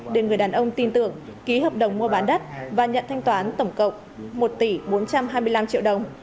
để người đàn ông tin tưởng ký hợp đồng mua bán đất và nhận thanh toán tổng cộng một tỷ bốn trăm hai mươi năm triệu đồng